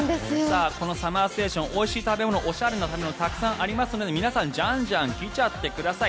このＳＵＭＭＥＲＳＴＡＴＩＯＮおいしい食べ物おしゃれな食べ物たくさんありますので皆さん、じゃんじゃん来ちゃってください。